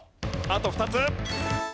あと２つ。